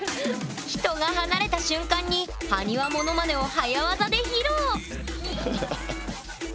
人が離れた瞬間に埴輪モノマネを早業で披露！